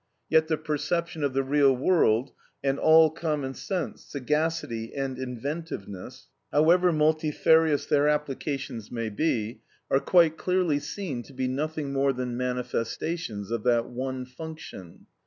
Yet the perception of the real world, and all common sense, sagacity, and inventiveness, however multifarious their applications may be, are quite clearly seen to be nothing more than manifestations of that one function.